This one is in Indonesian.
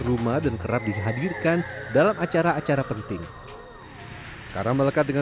rumah dan kerap dihadirkan dalam acara acara penting karena melekat dengan